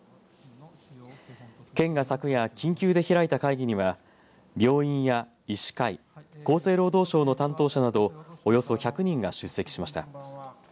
県が昨夜、緊急で開いた会議には病院や医師会厚生労働省の担当者などおよそ１００人が出席しました。